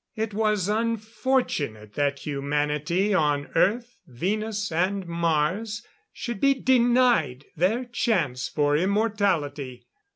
It was unfortunate that humanity on Earth, Venus and Mars, should be denied their chance for immortality.